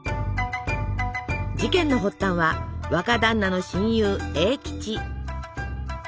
事件の発端は若だんなの親友栄吉。